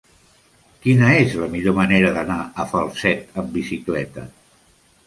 Quina és la millor manera d'anar a Falset amb bicicleta?